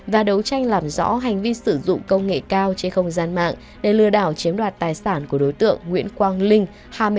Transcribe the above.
và đấu tranh làm rõ hành vi sử dụng công nghệ cao trên không gian mạng để lừa đảo chiếm đoạt tài sản của đối tượng nguyễn quang linh